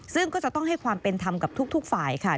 ซึ่งก็จะต้องให้ความเป็นธรรมกับทุกฝ่ายค่ะ